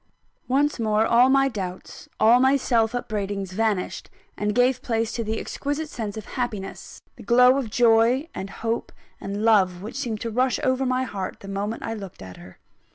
Once more, all my doubts, all my self upbraidings vanished, and gave place to the exquisite sense of happiness, the glow of joy and hope and love which seemed to rush over my heart, the moment I looked at her.